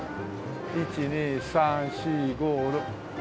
１２３４５６。